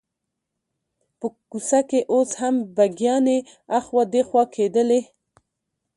په کوڅه کې اوس هم بګیانې اخوا دیخوا کېدلې.